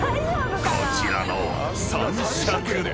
［こちらの］